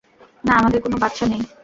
না, আমাদের কোন বাচ্ছা নেই।